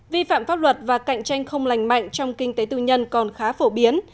vi phạm pháp luật và cạnh tranh không lành mạnh trong kinh tế tư nhân còn khá phổ biến